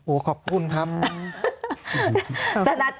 โอ้โหขอบคุณครับ